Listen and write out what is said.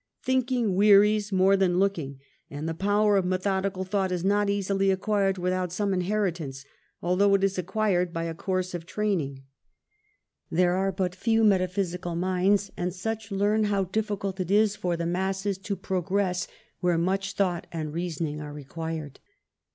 Thi nking wearies more than looking, and the power of methodical thought is not easily acquired without some inheritance, although it is acquired by a course of training. There are HERMAPHRODITES. 39 but few metaphysical minds and such learn how difficult it is for the masses to progress where much thought and reasoning are required.